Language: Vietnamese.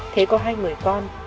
thế có hai người con